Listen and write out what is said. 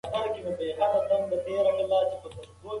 موږ د خولې پاکوالي ته ارزښت ورکوو.